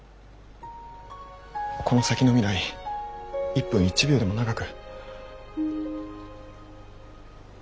この先の未来一分一秒でも長く。